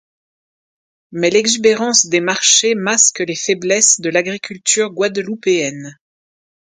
Mais l'exubérance des marchés masque les faiblesses de l'agriculture guadeloupéenne.